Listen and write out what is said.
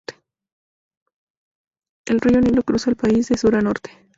El río Nilo cruza el país de sur a norte.